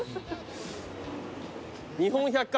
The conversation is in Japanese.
日本百貨店。